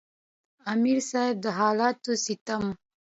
امیر صېب د حالاتو ستم،